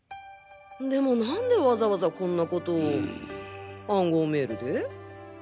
でも何でわざわざこんなことを暗号メールで？